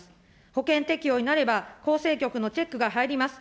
保険適用になれば、法制局のチェックが入ります。